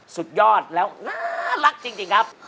สุดยอดแล้วน่ารักจริงครับ